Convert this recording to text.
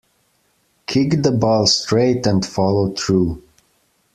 Kick the ball straight and follow through.